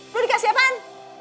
lo dikasih apaan